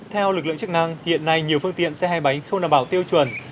theo lực lượng chức năng hiện nay nhiều phương tiện xe hai bánh không đảm bảo tiêu chuẩn